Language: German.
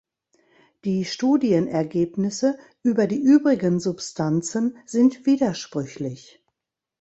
Die Studienergebnisse über die übrigen Substanzen sind widersprüchlich.